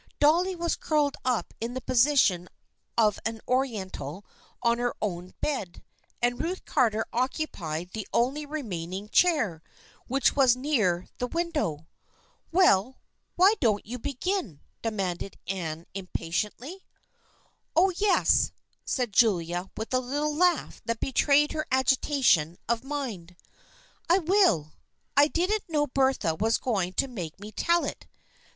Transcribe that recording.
Dolly was curled up in the position of an Oriental on her own bed, and Ruth Garter occupied the only remaining chair, which was near the win dow. " Well, why don't you begin ?" demanded Anne impatiently. " Oh, yes," said Julia, with a little laugh that betrayed her agitation of mind. " I will. I didn't know Bertha was going to make me tell it."